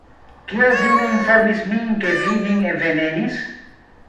Kial vi ne informis min, ke vi nin venenis?